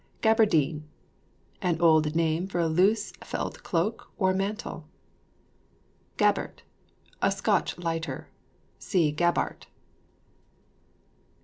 GABERDINE. An old name for a loose felt cloak or mantle. GABERT. A Scotch lighter. (See GABART.)